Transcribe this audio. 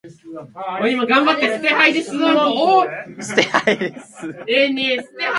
いまの銅駝中学の北にあった木戸孝允の住居跡に移りました